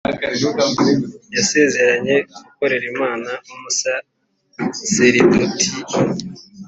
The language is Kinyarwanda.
yasezeranye gukorera imana nk’umusaseridoti